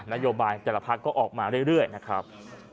นโยบายแต่ละพักก็ออกมาเรื่อยนะครับ